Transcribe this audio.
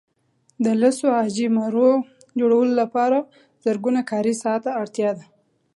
د لسو عاجي مرو جوړولو لپاره زرګونه کاري ساعته اړتیا ده.